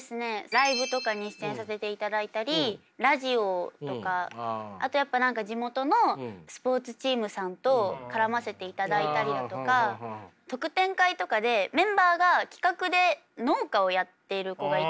ライブとかに出演させていただいたりラジオとかあとやっぱ地元のスポーツチームさんと絡ませていただいたりだとか特典会とかでメンバーが企画で農家をやっている子がいて。